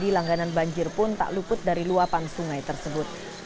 jadi langganan banjir pun tak luput dari luapan sungai tersebut